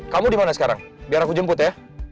kamu dimana sekarang biar aku jemput ya